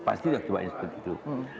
pasti akibatnya seperti itu